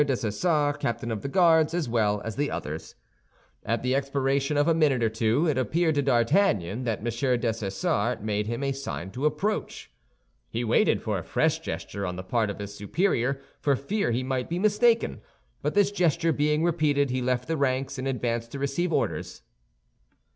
Dessessart, captain of the Guards, as well as the others. At the expiration of a minute or two, it appeared to D'Artagnan that M. Dessessart made him a sign to approach. He waited for a fresh gesture on the part of his superior, for fear he might be mistaken; but this gesture being repeated, he left the ranks, and advanced to receive orders.